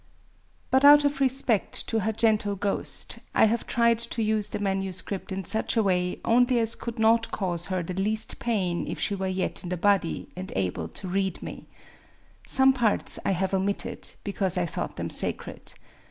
But out of respect to her gentle ghost, I have 85 Digitized by Googk 86 A WOMAN'S DIARY tried to use the manuscript in such a way only as could not cause her the least pain if she were yet in the body, and able to read me. Some parts I have omitted, because I thought them sacred.